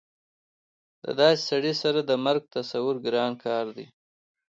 د داسې سړي سره د مرګ تصور ګران کار دی